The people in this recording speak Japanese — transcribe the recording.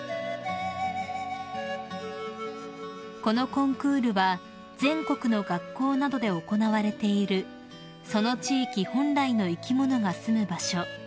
［このコンクールは全国の学校などで行われているその地域本来の生き物がすむ場所